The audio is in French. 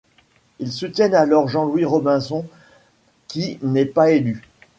Ils soutiennent alors Jean-Louis Robinson, qui n'est pas élu.